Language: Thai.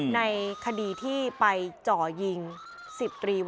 ในคดีที่ไปเจาะยิง๑๐ตีแล้ว